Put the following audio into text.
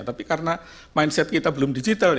tapi karena mindset kita belum digital